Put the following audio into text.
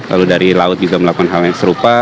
lalu dari laut juga melakukan hal yang serupa